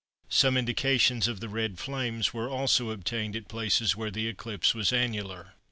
Some indications of the Red Flames were also obtained at places where the eclipse was annular.